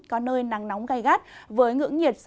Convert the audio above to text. có nơi nắng nóng gai gắt